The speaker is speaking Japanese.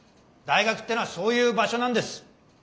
大学ってのはそういう場所なんです。